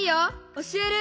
おしえる。